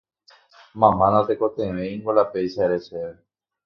Mama natekotevẽingo la péicha ere chéve